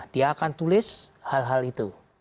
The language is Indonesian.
dia akan tulis hal hal itu